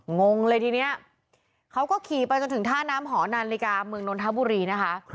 งงเลยทีนี้เขาก็ขี่ไปจนถึงท่าน้ำหอนาฬิกาเมืองนนทบุรีนะคะ